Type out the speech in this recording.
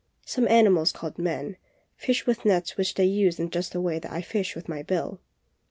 Some animals called men, fish with nets which they use in just the way that I fish with my bill."